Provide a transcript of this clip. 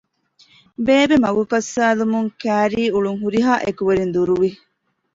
ބޭބެ މަގު ކައްސައިލުމުން ކައިރީ އުޅުން ހުރިހާ އެކުވެރިން ދުރުވި